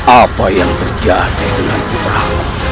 apa yang terjadi dengan kita